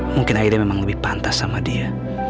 mungkin akhirnya memang lebih pantas sama dia